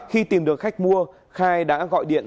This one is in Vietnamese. khi tìm được khách mua khai đã gọi điện